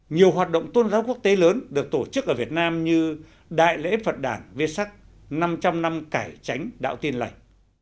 nhiều hoạt động tôn giáo quốc tế lớn được tổ chức ở việt nam như đại lễ phật đảng viết sắc năm trăm linh năm cải tránh đạo tin lành